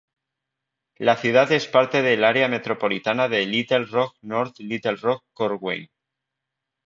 La ciudad es parte del área metropolitana de Little Rock-North Little Rock-Conway.